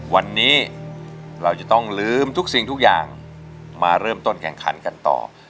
วันนี้เราจะต้องลืมทุกสิ่งทุกอย่างมาเริ่มต้นแข่งขันกันต่อ